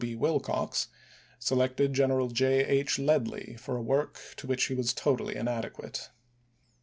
B. Willcox, selected General J. H. Ledlie for a work to which he was totally inadequate.